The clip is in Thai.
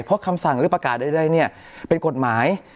เพราะคำสั่งหรือประกาศใดเนี่ยเป็นกฎหมาย